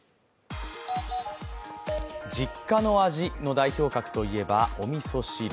実家の味の代表格といえばおみそ汁。